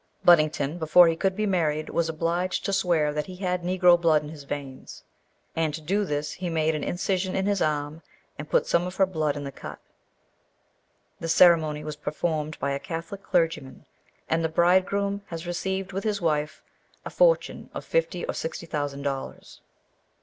Buddington, before he could be married was obliged to swear that he had Negro blood in his veins, and to do this he made an incision in his arm, and put some of her blood in the cut. The ceremony was performed by a Catholic clergyman, and the bridegroom has received with his wife a fortune of fifty or sixty thousand dollars.'